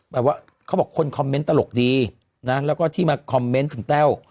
เขาบอกคนคอมเมนต์ตลกดีนะแล้วก็ที่มาคอมเมนต์ถึงแต้ว